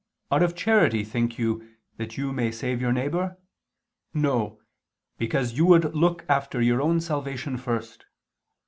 Out of charity, think you, that you may save your neighbor?" No, "because you would look after your own salvation first.